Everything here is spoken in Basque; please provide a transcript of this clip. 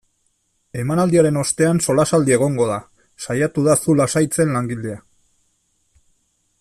Emanaldiaren ostean solasaldia egongo da, saiatu da zu lasaitzen langilea.